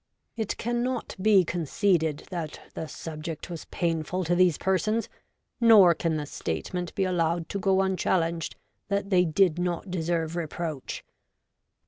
It cannot be conceded that the subject was painful to these persons, nor can the statement be allowed to go unchallenged that they did not deserve reproach.